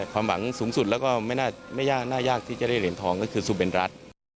ความหวังสูงสุดแล้วก็ไม่น่ายากที่จะได้เหรียญทองก็คือซูเบนรัฐ